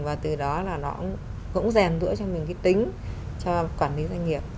và từ đó là nó cũng rèn đũa cho mình cái tính cho quản lý doanh nghiệp